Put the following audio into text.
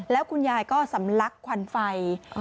แล้วคุณยายก็สำลักควันไฟ